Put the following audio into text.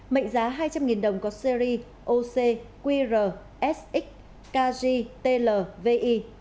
mệnh giá hai trăm linh đồng có series oc qr sx kg tl vi